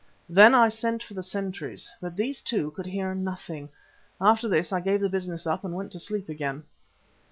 Then I sent for the sentries, but these, too, could hear nothing. After this I gave the business up and went to sleep again.